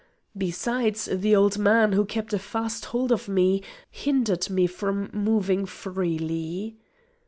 Besides, the old man, who kept a fast hold of me, hindered me from moving freely.